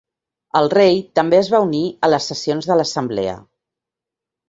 El rei també es va unir a les sessions de l'assemblea.